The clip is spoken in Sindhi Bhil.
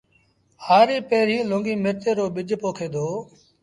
هآريٚ پيريٚݩ لونگي مرچ رو ٻج پوکين دآ